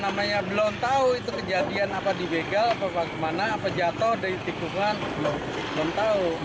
namanya belum tahu itu kejadian apa di begal apa bagaimana apa jatuh dari tikungan belum tahu